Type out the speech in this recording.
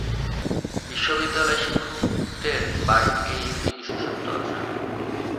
বিশ্ববিদ্যালয়ের শিক্ষকদের বাড়ির এই একটি বিশেষত্ব আছে।